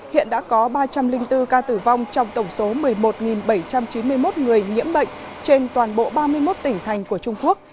hiện đã có ba trăm linh bốn ca tử vong trong tổng số một mươi một bảy trăm chín mươi một người nhiễm bệnh trên toàn bộ ba mươi một tỉnh thành của trung quốc